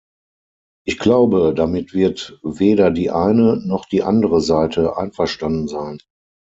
Ich glaube, damit wird weder die eine noch die andere Seite einverstanden sein.